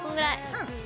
うん。